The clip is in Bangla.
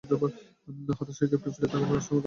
হতাশ হয়ে ক্যাপ্টেন ফিরে যাবার কথা ভাবতে থাকে।